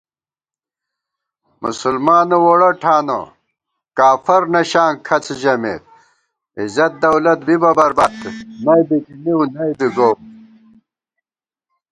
مسلمانہ ووڑہ ٹھانہ، کافر نشاں کھڅ ژَمېت * عزت دولت بِبہ برباد، نئ بِکِنِؤ نئ بی گوؤ